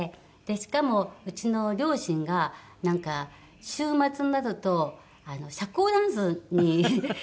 しかもうちの両親がなんか週末になると社交ダンスに行ってたらしくて。